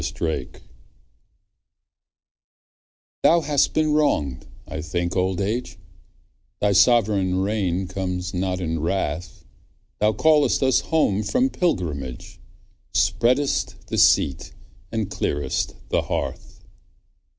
Y Z Old Age THOU hast been wrong'd, I think old age; Thy soverign reign comes not in wrath, Thou call'st us home from pilgrimage, Spreadest the seat and clear'st the hearth.